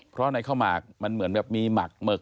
เพราะในข้าวหมากมันเหมือนแบบมีหมักหมึก